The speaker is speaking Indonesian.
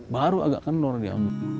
baru agak kendor dia